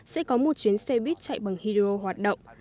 sẽ có một chuyến xe buýt chạy bằng hydro hoạt động